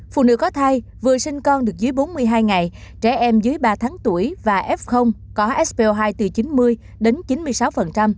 phụ nữ có thai vừa sinh con được dưới bốn mươi hai ngày trẻ em dưới ba tháng tuổi và f có sp hai từ chín mươi đến chín mươi sáu